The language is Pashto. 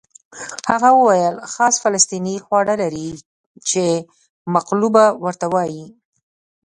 هغه وویل خاص فلسطیني خواړه لري چې مقلوبه ورته وایي.